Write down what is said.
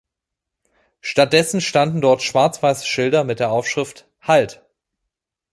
Stattdessen standen dort schwarzweiße Schilder mit der Aufschrift: "Halt!